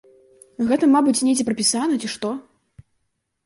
Гэта, мабыць, недзе прапісана ці што.